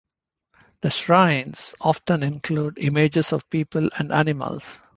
The shrines often include images of people and animals.